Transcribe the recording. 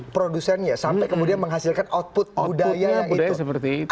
produsennya sampai kemudian menghasilkan output budaya itu